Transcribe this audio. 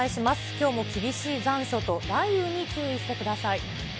きょうも厳しい残暑と雷雨に注意してください。